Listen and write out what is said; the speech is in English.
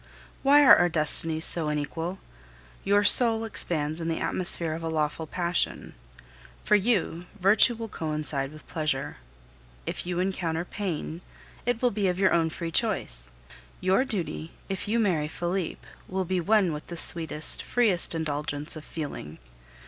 Why are our destinies so unequal? Your soul expands in the atmosphere of a lawful passion. For you, virtue will coincide with pleasure. If you encounter pain, it will be of your own free choice. Your duty, if you marry Felipe, will be one with the sweetest, freest indulgence of feeling.